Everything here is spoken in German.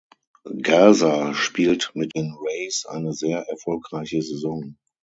Garza spielt mit den Rays eine sehr erfolgreiche Saison.